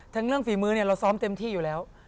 ทั้งเรื่องฝีมือเนี่ยเราซ้อมเต็มที่อยู่แล้ว